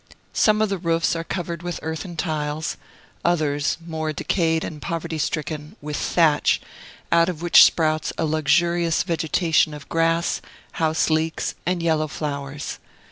Some of the roofs are covered with earthen tiles; others (more decayed and poverty stricken) with thatch, out of which sprouts a luxurious vegetation of grass, house leeks, and yellow flowers.